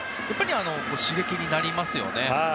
刺激になりますよね。